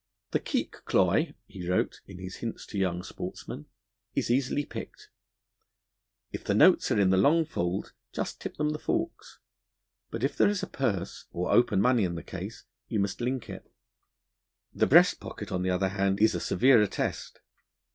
'The keek cloy,' he wrote, in his hints to young sportsmen, 'is easily picked. If the notes are in the long fold just tip them the forks; but if there is a purse or open money in the case, you must link it.' The breast pocket, on the other hand, is a severer test.